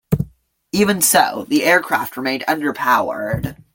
Even so, the aircraft remained underpowered.